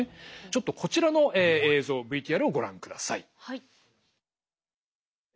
ちょっとこちらの映像ＶＴＲをご覧ください。